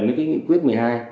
với cái nghị quyết một mươi hai